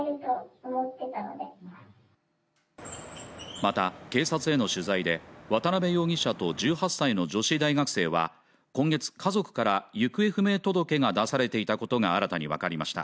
また警察への取材で渡邉容疑者と１８歳の女子大学生は今月家族から行方不明届が出されていたことが新たに分かりました